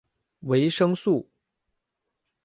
维生素。